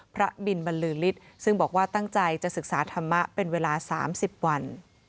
พระบินบรรลือฤทธิ์ซึ่งบอกว่าตั้งใจจะศึกษาธรรมะเป็นเวลา๓๐วัน